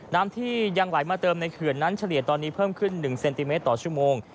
น้ำที่ยังไหลมาเติมในเขื่อนนั้นเฉลี่ยตอนนี้เพิ่มขึ้น๑เซนติเมตรต่อชั่วโมง